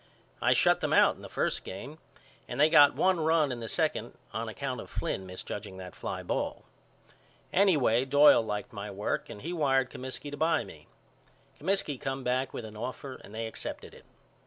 I shut them out in the first game and they got one run in the second on account of Flynn misjudging that fly ball. Anyway Doyle liked my work and he wired Comiskey to buy me. Comiskey come back with an offer and they excepted it.